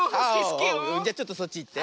じゃちょっとそっちいって。